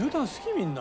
みんな。